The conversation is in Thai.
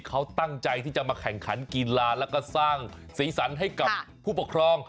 เขาตั้งใจที่จะมาแข่งขันกีฬาแล้วก็สร้างสีสันให้กับผู้ปกครอง